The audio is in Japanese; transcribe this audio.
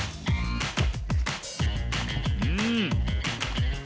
うん。